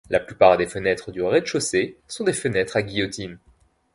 La plupart des fenêtres du rez-de-chaussée sont des fenêtres à guillotine.